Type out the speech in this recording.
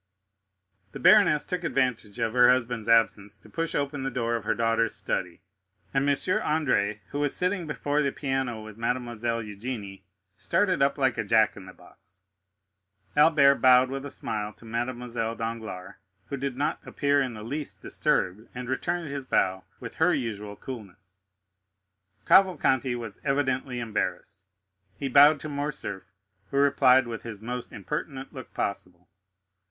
The baroness took advantage of her husband's absence to push open the door of her daughter's study, and M. Andrea, who was sitting before the piano with Mademoiselle Eugénie, started up like a jack in the box. Albert bowed with a smile to Mademoiselle Danglars, who did not appear in the least disturbed, and returned his bow with her usual coolness. Cavalcanti was evidently embarrassed; he bowed to Morcerf, who replied with the most impertinent look possible.